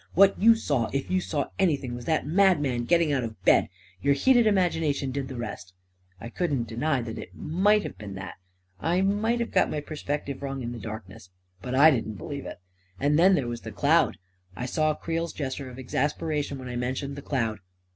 " What you saw, if you saw any thing, was that madman getting out of bed. Your heated imagination did the rest." I couldn't deny that it might have been that; I might have got my perspective wrong in the dark ness — but I didn't believe it* And then there was the cloud. I saw Creel's gesture of exasperation when I mentioned the cloud.